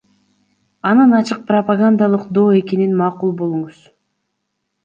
Анын ачык пропагандалык доо экенине макул болуңуз.